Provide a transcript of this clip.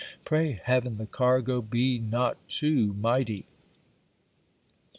Pray heaven the cargo be not too mighty!